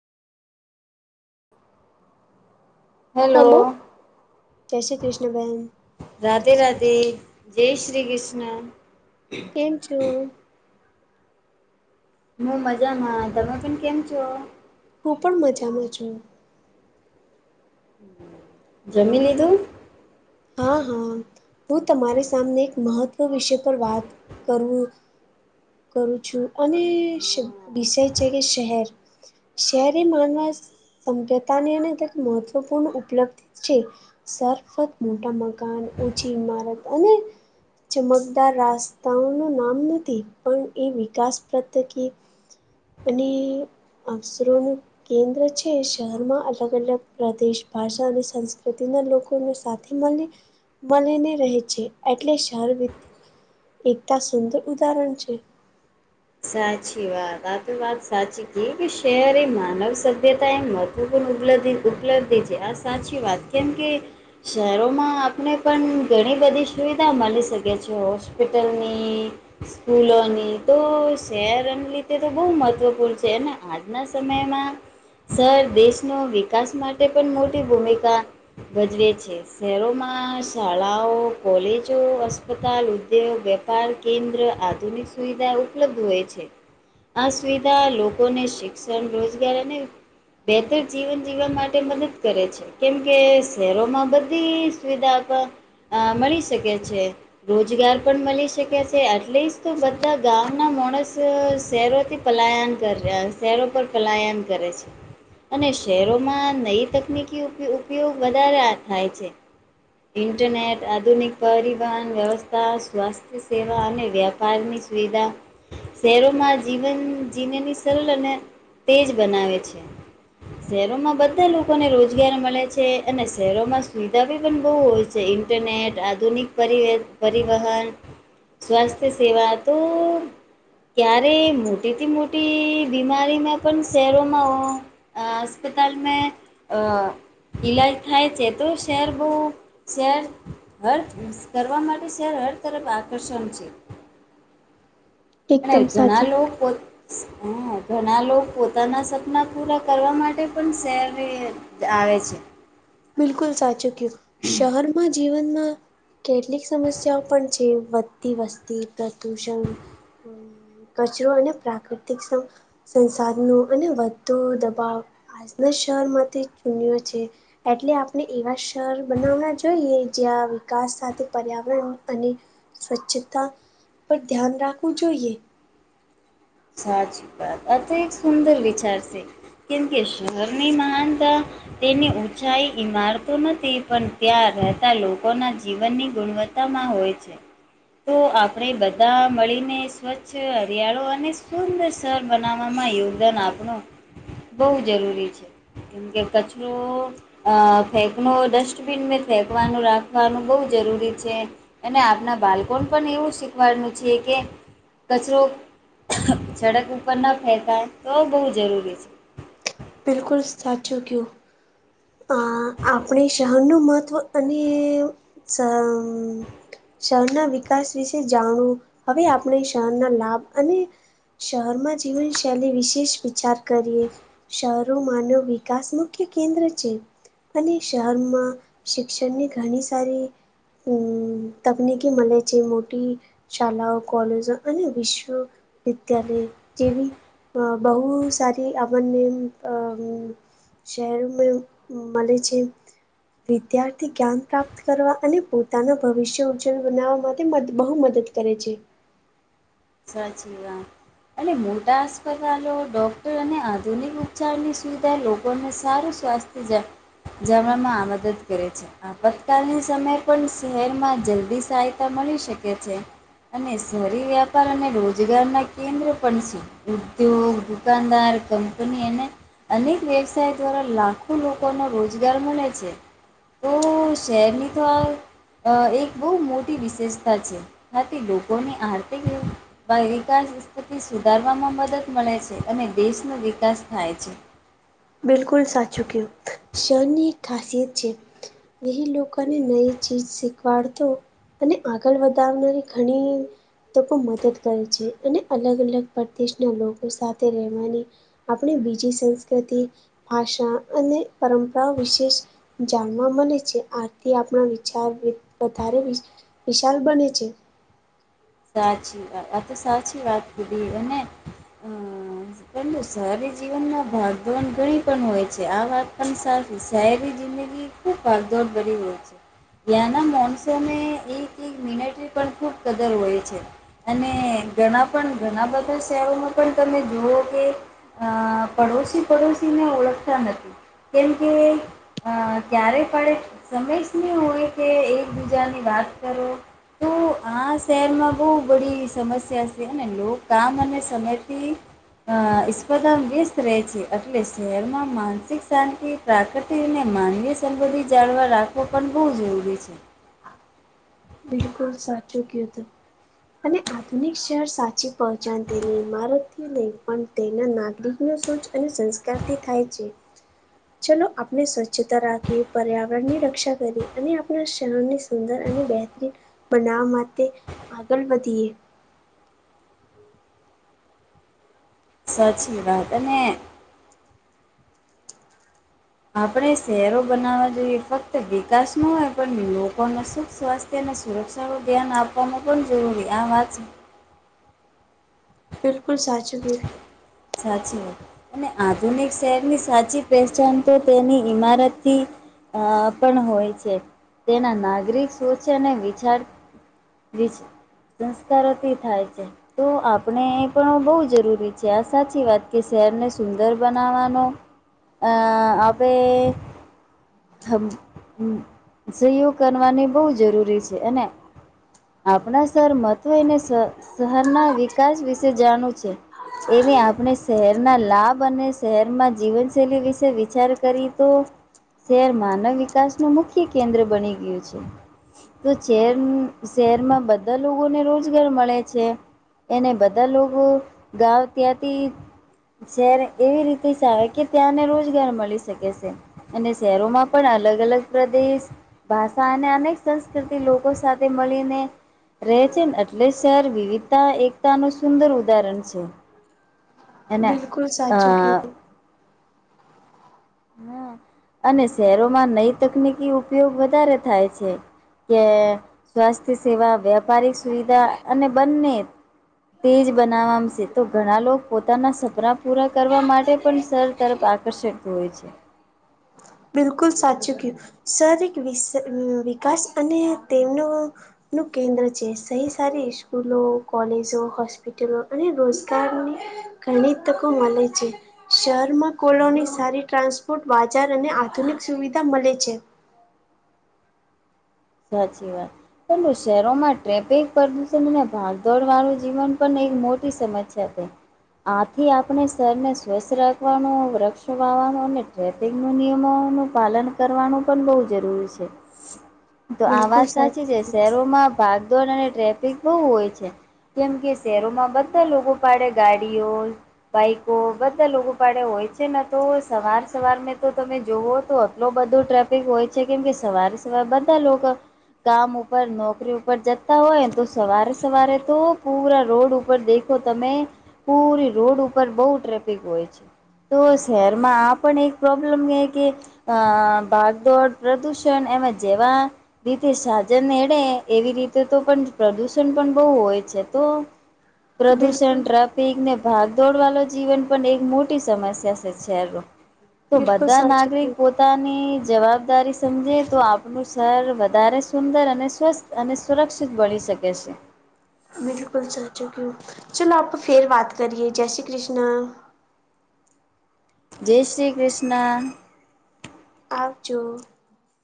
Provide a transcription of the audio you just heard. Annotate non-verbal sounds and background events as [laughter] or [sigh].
Hello જય શ્રી કૃષ્ણ બહેન રાધે રાધે જય શ્રી કૃષ્ણ. કેમ છો. હું મજામા તમે પણ કેમ છો? હું પણ મજામાં છું. જમી લીધું? હા હા હું તમારી સામને એક મહત્વ વિષય પર વાત કરું, કરું છું અને વિષય છે કે શહેર શહેરે માનવાસ સમભ્યતાની અને તે મહત્ત્વપૂર્ણ ઉપલબ્ધિ છે. સફ મોટા મકાન, ઉંચી ઈમારત અને ચમકદાર રાસ્તાઓનું નામ નથી પણ એ વિકાસ પ્રથ્યકે અને આસરોનું કેન્દ્ર છે, શહેરમાં અલગ અલગ પ્રદેશ ભાષા અને સંસ્કૃતિના લોકોનુ સાત મલી મળીને રહે છે એટલે શાર એકતા સુંદર ઉદાહરણ છે. સાચી વાત આ તો વાત સાચી કે શહેરે એ માનવ સભ્યતા એ ઉપલ ઉપલબ્ધિ છે આ સાચી વાત કેમ કે, શહેરોમાં આપને પણ ઘણી બધી સુવિધા મળી શકે છે, હોસ્પિટલની સ્કૂલોની તો શહેરોની તે તો બહુ મહત્ત્વપૂર્ણ છે અને આજના સમયમાં સર દેશનો વિકાસ માટે પણ મોટી ભૂમિકા ભજવે છે, શહેરોમાં શાળાઓ, કોલેજો, અસ્પતાલ, ઉદ્યોગ વે પાર કેન્દ્ર, આધુનિક સુવિધા ઉપલબ્ધ હોય છે. આ સુવિધા લોકોને શિક્ષણ, રોજગાર અને બેહેતર જીવન જીવવા માટે મદદ કરે છે. કેમ કે શહેરોમાં બધી સુવિધા આપ મળી શકે છે, રોજગાર પણ મળી શકે છે એટલે જ તો બધા ગામ માણસ શહેરોથી પલાયન કર [unintelligible] શહેરો પર પલાયન કરે છે. અને શહેરોમાં નઈ તકનીકી ઉપ-ઉપયોગ વધારે આ થાય છે. ઇન્ટરનેટ આધુનિક પરિવહન વ્યવસ્થા, સ્વાસ્થ્ય સેવા અને વ્યાપારની સુવિધા, શહેરોમાં જીવન જીનેની સળ અને તેજ બનાવે છે. શહેરોમાં બધા લોકોને રોજગાર મળે છે અને શહેરોમાં સુવિધા ભી પણ બહુ હોય. જે ઇન્ટરનેટ, આધુનિક પરી પરિવહન સ્વાસ્થ્યસેવા તો ક્યારે મોટેથી મોટી બીમારીમાં પણ શહેરોમાં હસ્પતાલમે ઈલાજ થાય છે તો શહેર બહુ શહેર હર કરવા માટે શહેર હર તરફ આકર્ષણ છે. અને એકદમ ઘણા સાચું લોકો હ ઘણા લોક પોતાના સપના પૂરા કરવા માટે પણ શહેરે આવેે છે. બિલકુલ સાચું કિધું, શહેરમાં જીવનમાં કેટલીક સમસ્યાઓ પણ છે, વધતી વસ્તી, પ્રદુષણ, કચરો અને પ્રાકૃતિક સં-સંસાધનો અને વધતો દબાવ, આજના શહેરમાં તે ચૂનઓ છે. એટલે આપણે એવા શહેર બનાવવા જોઈએ જ્યાં વિકાસ સાથે પર્યાવરણ અને સ્વચ્છતા પર ધ્યાન રાખવું જોઈએ. સાચી વાત અતી એક સુુંદર વિચાર છે. કેમ કે શહેરની મહાનતા તેની ઊંચાઈ ઈમારત નથી પણ ત્યાં રહેતા લોકોના જીવનની ગુણવત્તામાં હોય છે. તો આપણે બધા મળીને સ્વચ્છ હરિયાળો અને સુંદર સરર બનાવવામાં યોગદાન આપનું બહુ જરૂરી છે એમ કે કચરો અ ફેકનો ડસ્ટબિન ફેંકવાનું રાખવાનું બહુ જરૂરી છે. અને આપના બાળકો પણ એવું શીખવાનું છે કે કચરો છડક ઉપર ન ફેકાય તો બહુ જરૂરી છે બિલકુલ સાચું કયું અ આપણે શહરનું મહત્વ અને [unintelligible] શહેરના વિકાસ વિશે જાણવું હવે આપણે શહરના લાભ અને શહેરમાં જીવનશૈલી વિશેષ વિચાર કરીએ શરૂ માનવ વિકાસ મુખ્ય કેન્દ્ર છે અને શહેરમાં શિક્ષણની ઘણી સારી હમ્મ તમને કે મને જે મોટી શાળાઓ કોલેજો અને વિશ્વ વિદ્યાલય જેવી અ બહુ સારી અમને અ શહેરો મલે છે. વિદ્યાર્થી જ્ઞાન પ્રાપ્ત કરવા અને પોતાના ભવિષ્ય ઉજ્જવલ બનાવવા માટે બહુ મદદ કરે છે સાચી વાત. અને અસ્પતાલો ડોક્ટર અને આધુનિક ઉપચારની સુવિધા લોકોને સારું સ્વાસ્થ તે જણવામાં આ મદદ કરે છે. આપતકાલની સમયે પણ શહેરમાં જલ્દી સહાયતા મળી શકે છે. નહી સરી લેવા અને રોજગાર ના કેન્દ્ર પણ છે ઉદ્યોગ દુકાનદાર કંપની અને અનેક વ્યવસાય દ્વારા લાખો લોકોનો રોજગાર મળે છે. તો શહેરની તો આ અ એક બહુ મોટી વિશેષતા છે આથી લોકોની આરતી બા વિકાસ વસ્પતિ સુધારવામાં મદદ મળે છે અને દેશનો વિકાસ થાય છે. બિલકુલ સાચું કહું શરની એક ખાસિયત છે. એહી લોકોને નઈ ચીજ શીખવાડતો અને આગળ વધાવનારી ઘણી તો મદદ કરે છે અને અલગ અલગ પરદેશના લોકો સાથે રહેવાની આપણે બીજી સંસ્કૃતિ ભાષા અને પરંપરાઓ વિશેષ જાણવા મળે છે આરથી આપણા વિચાર વધારે વિશાલ બને છે. સાચી વાત આ તો સાચી વાત કીધી અને હમ્મ. પરંતુ સારી જીવનમાં ભાગન ઘણી પણ હોય છે આ વાત પણ સા શાયરી જિંદગી ખૂબ ભાગદોડ કરી હોય છે ત્યાંના મોનસોન એક એક મિનટ પણ ખૂબ કદર હોય અને ઘણા પણ ઘણા બધા શહેરોમાં પણ તમે જોવો કે અ પડોશી પડોશીને ઓળખતા નથી કેમ કે અ ક્યારે પડે સમય શહી હોય કે એકબીજાની વાત કરો તું હા શહેરમાં બહુ બડી સમસ્યા છે અને લો કામ અને સમયથી અ સ્પર્ધા વ્યસ્ત રહે છે એટલે શહેરમાં માનસિક શાંતિ પ્રાકૃતિક અને માનવીય સંબધિ જાળવા રાખવો પણ બહુ જરૂરી છે બિલકુલ સાચુ કીધું અને આધુનિક શહેર સાચી પહચાન તેની ઈમારત થી લઈ પણ તેના નાગરિક ન સોચ અને સંસ્કારથી થાય છે ચલો આપણે સ્વચ્છતા રાખીએ પર્યાવરણની રક્ષા કરીએ અને આપણા શરની સુંદર અને બતરીન બનાવા માટે આગળ વધીએ સાચી વાત અને આપણે શહેરો બનાવવા જોઈએ ફક્ત વિકાસ ન હોય પણ લોકોને સુખ સ્વાસ તેને સુરક્ષાનું ધ્યાન આપવામાં પણ જરૂરી આ વાત બિલકુલ સાચુકીએ સાચી વાત અને આધુનિક શહેરની સાચી પહેચાન તો તેની ઈમારતથી અ પણ હોય છે તેના નાગરિક સુરક્ષા અને વિચાર બજ સંસ્કારોથી થાય છે તો આપણે એ પણ બહુ જરૂરી છે, આ સાચી વાત કે શહેરને સુંદર બનાવવાનો આ આપણે હમ સહયોગ કરવાની બહુ જરૂરી છે અને આપણા શર મત્ને અને શ શરના વિકાસ વિશે જાણવ છે એવી આપણે શહેરના લાભ અને શહેરમાં જીવનશૈલી વિશે વિચાર કરી તો શહેર માનવ વિકાસ ન મુખ્ય કેન્દ્ર બની ગયું છે તો શહેર શહેરમાં બધા લોકોને રોજગાર મળે છે એને બધા લોકો ગાવ ત્યાંથી જ્યારે એવી રીતે ચ આવે કે ત્યાંને રોજગાર મળી શકે છે અને શહેરોમાં પણ અલગ અલગ પ્રદેશ ભાષા અને અનેક સંસ્કૃતિ લોકો સાથે મળીને રહે છે ને એટલે શહેર વિવિધતા એકતા નું સુંદર ઉદાહરણ છે એના બિલકુલ સાચું કયું આહ હમ અને શહેરોમાં નઈ તકનીકી ઉપયોગ વધારે થાય છે કે સ્વાસ્થ્ય સેવા વ્યાપારિક સુવિધા અને બંને તેજ બનાવામશે તો ઘણા લોકો પોતાના સપના પૂરા કરવા માટે પણ સર તરફ આકર્ષિત હોય છે બિલકુલ સાચું કયું શારી વીસ વિકાસ અને તેમનો નું કેન્દ્ર છે, સહી સારી સ્કૂલો કોલેજો હોસ્પિટલો અને રોજગારની ઘણી તકો મળે છે, શહેરમાં કોલોની સારી ટ્રાન્સપોર્ટ બાજાર અને આધુનિક સુવિધા મળે છે, સાચી વાત પરંતુ શહેરોમાં ટફિક પ્રદૂષણ અને ભગદોડ વાળું જીવન પણ એક મોટી સમસ્યા છેઈ આથી આપણે શરને સ્વસ્થ રાખવાનો વૃક્ષ વાવાનો અને સ્કૂલનું નિયમોનું પાલન કરવાનું પણ બહુ જરૂરી છે તો આ બિલકુલ વાત સાચી સાચું છે, કયું. શહેરોમાં ભાગદોડ અને ટ્રાફિક બહુ હોય છે. કેમ કે શહેરોમાં બધા લોકો પાડે ગાડીઓ બાઈકો બધા લોકો પાડે હોય છે, તો સવાર સવાર મેં તો તમે જોવો તો લોક એ બધું ટ્રાફિક હોય છે, કેમ કે સવારે સવારે બધા લોકો કામ ઉપર નોકરી ઉપર જતા હોય તો સવારે સવારે તો પૂરા રોડ ઉપર દેખ તો તમે પૂરી રોડ ઉપર બહુ ટ્રાફિક હોય છે. તો શહેરમાં આ પણ એક પ્રોબ્લેમ હે કે અહ ભાગદોડ પ્રદૂષણ એમાં જેવા રીતે સાજન એડે એવી રીતે તો પણ પ્રદુષણ પણ બહુ હોય છે, તો બિલકુલ પ્રદૂષણ ટ્રપ પીકને ભાગ દોડ વાળ જીવન પણ એક મોટી સમસ્યા છે શહેરો. તો બિલકુલ બધા સાચું નાગરિક કયું પોતાની જવાબદારી સમજે તો આપ એનું સ્ર વધારે સુંદર અને સ્વસ્થ અને સુરક્ષિત બણી શકે છે. બિલકુલ સાચું ક્યું. ચલો આપ ફેર વાત કરીએ જય શ્રી કૃષ્ણ. જય શ્રી કૃષ્ણ. આવજો.